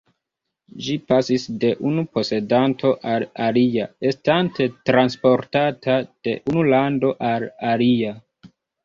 Ĝi pasis de unu posedanto al alia, estante transportata de unu lando al alia.